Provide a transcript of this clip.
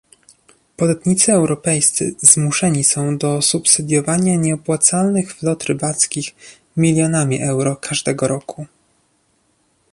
Podatnicy europejscy zmuszani są do subsydiowania nieopłacalnych flot rybackich milionami euro każdego roku